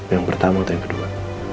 yang pertama atau yang kedua